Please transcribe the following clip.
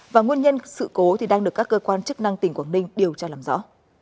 và nguyên nhân sự cố đang được các cơ quan chức năng tỉnh quảng ninh điều tra làm rõ